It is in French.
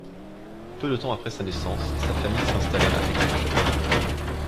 Peu de temps après sa naissance, sa famille s'installa à Aix-la-Chapelle.